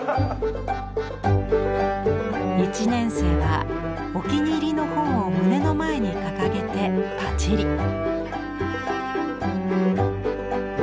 １年生はお気に入りの本を胸の前に掲げてパチリ！